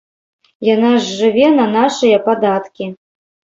Яна ж жыве на нашыя падаткі.